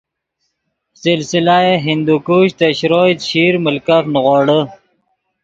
سلسلہ ہندوکش ترے شروئے، چیشیر ملکف نیغوڑے